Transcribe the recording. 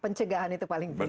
pencegahan itu paling penting